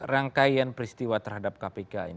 rangkaian peristiwa terhadap kpk